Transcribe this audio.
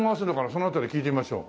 そのあたり聞いてみましょう。